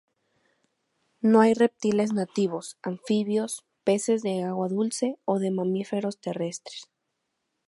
No hay reptiles nativos, anfibios, peces de agua dulce, o de mamíferos terrestres.